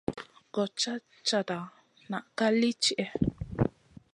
Gochata chata nak ka li tihè?